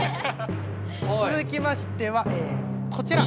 続きましてはこちら。